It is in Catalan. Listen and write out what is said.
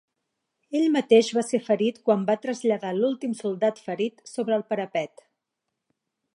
Ell mateix va ser ferit quan va traslladar l'últim soldat ferit sobre el parapet.